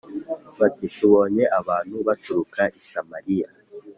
bati “Tubonye abantu baturuka i Samariya”